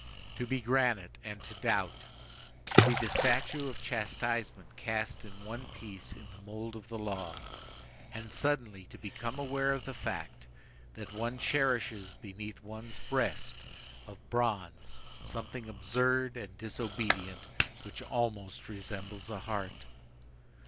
To be granite and to doubt! to be the statue of Chastisement cast in one piece in the mould of the law, and suddenly to become aware of the fact that one cherishes beneath one's breast of bronze something absurd and disobedient which almost resembles a heart!